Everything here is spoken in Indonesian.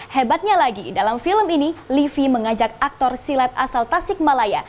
hebatnya lagi dalam film ini livi mengajak aktor silat asal tasikmalaya